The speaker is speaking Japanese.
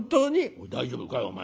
「おい大丈夫かいお前。